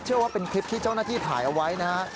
ว่าเป็นคลิปที่เจ้าหน้าที่ถ่ายเอาไว้นะฮะ